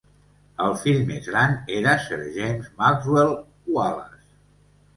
El fill més gran era Sir James Maxwell Wallace.